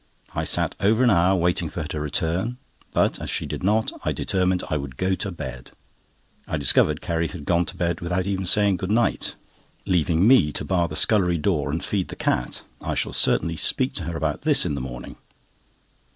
I sat over an hour waiting for her to return; but as she did not, I determined I would go to bed. I discovered Carrie had gone to bed without even saying "good night"; leaving me to bar the scullery door and feed the cat. I shall certainly speak to her about this in the morning.